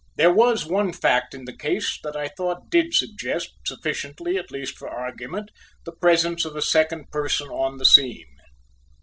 There was one fact in the case that I thought did suggest sufficiently at least for argument the presence of a second person on the scene.